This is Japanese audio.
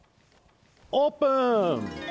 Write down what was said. オープン！